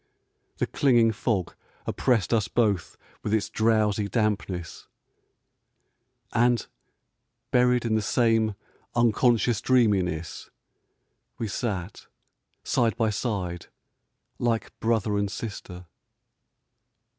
The clinging fog oppressed us both with its drowsy dampness ; and buried in the same un 318 POEMS IN PROSE conscious dreaminess, we sat side by side like brother and sister.